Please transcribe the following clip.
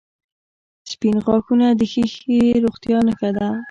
• سپین غاښونه د ښې روغتیا نښه ده.